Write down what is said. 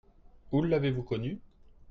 Où l'avez-vous connue ?